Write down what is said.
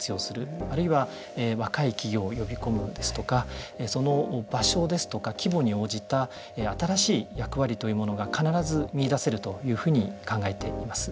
あるいは若い企業を呼び込むですとかその場所ですとか、規模に応じた新しい役割というものが必ず見いだせるというふうに考えています。